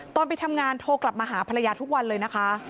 ไปทำงานโทรกลับมาหาภรรยาทุกวันเลยนะคะ